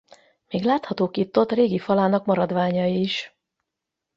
Még láthatók itt-ott régi falának maradványai is.